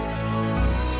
betul kan kan